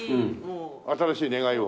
新しい願いを？